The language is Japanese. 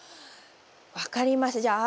分かりました。